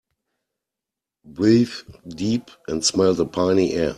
Breathe deep and smell the piny air.